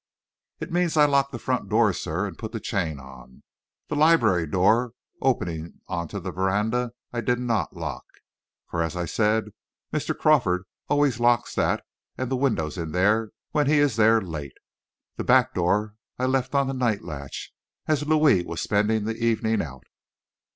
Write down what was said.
"It means I locked the front door, sir, and put the chain on. The library door opening on to the veranda I did not lock, for, as I said, Mr. Crawford always locks that and the windows in there when he is there late. The back door I left on the night latch, as Louis was spending the evening out."